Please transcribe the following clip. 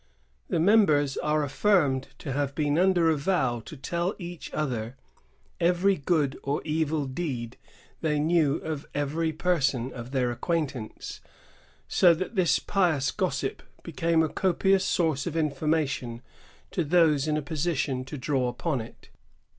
^ The members are affirmed to have been under a vow to tell one another every good or evil deed they knew of every person of their acquaintance ; so that this pious gossip became a copious source of information to those m a position to draw upon it.